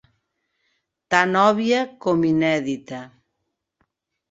Tan òbvia com inèdita.